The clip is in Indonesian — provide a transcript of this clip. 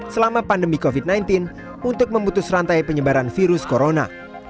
selama pandemi covid sembilan belas untuk memutus rantai penyebaran virus corona